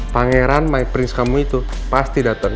pangeran my prince kamu itu pasti dateng